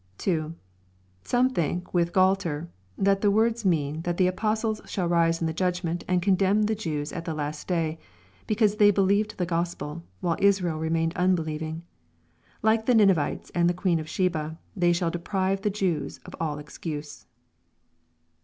2. Some think, with Gualter, that the words mean that the apostles shall rise in the judgment and condemn the Jews at the last day, because they believed the Gospel, while Israel remained unbelieving. Like the Ninevites and the queen of Sheba, they shall deprive the Jews of all excuse.